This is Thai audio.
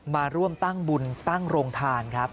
มาร่วมตั้งบุญตั้งโรงทานครับ